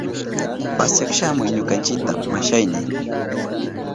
Pasyak shamuy ñukanchita, mashayni.